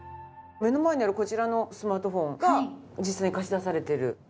目の前にあるこちらのスマートフォンが実際に貸し出されてる。